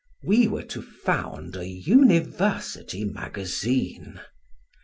We were to found a University magazine.